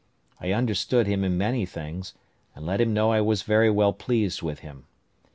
I understood him in many things, and let him know I was very well pleased with him.